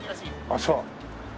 あっそう。